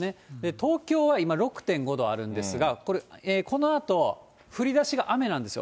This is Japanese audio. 東京は今、６．５度あるんですが、これ、このあと、降りだしが雨なんですよ。